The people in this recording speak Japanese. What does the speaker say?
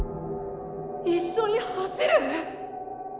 一緒に走る！？